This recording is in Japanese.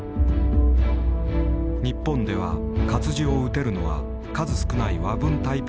日本では活字を打てるのは数少ない和文タイピストだけ。